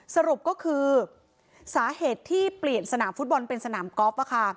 สรุปก็คือสาเหตุที่เปลี่ยนสนามฟุตบอลเป็นสนามกอล์ฟ